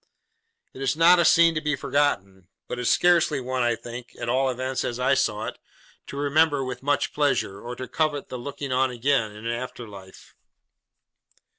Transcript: It is not a scene to be forgotten, but it is scarcely one, I think (at all events, as I saw it), to remember with much pleasure, or to covet the looking on again, in after life.